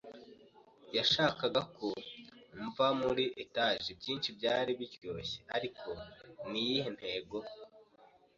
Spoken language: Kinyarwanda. Yashakaga ko mva muri etage - byinshi byari byoroshye; ariko niyihe ntego I.